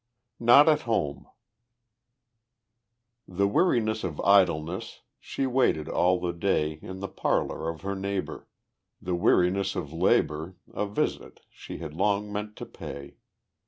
Not at Home The Weariness of Idleness, She waited all the day In the parlor of her neighbor, The Weariness of Labor A visit she had long meant to pay.